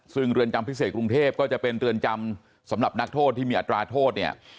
ซึ่งเรือนจำพิเศษกรุงเทพก็จะเป็นเรือนจำสำหรับนักโทษที่มีอัตราโทษเนี่ย